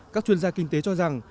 các chuyên gia kinh tế cho rằng